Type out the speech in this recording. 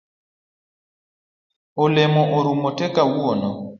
Olemo orumo tee kawuono.